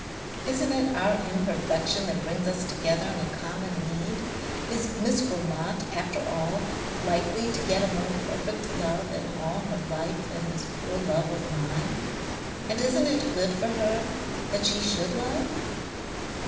Isn't it our imperfection that brings us together in a common need? Is Miss Grammont, after all, likely to get a more perfect love in all her life than this poor love of mine? And isn't it good for her that she should love?"